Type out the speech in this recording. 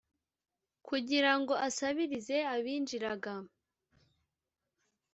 kugira ngo asabirize abinjiraga